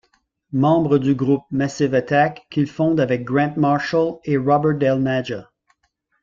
Membre du groupe Massive Attack qu'il fonde avec Grant Marshall et Robert Del Naja.